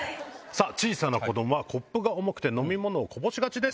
小さな子供はコップが重くて飲み物をこぼしがちです。